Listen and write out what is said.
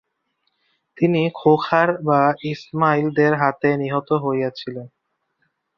তিনি খোখার বা ইসমাইলিদের হাতে নিহত হয়েছিলেন।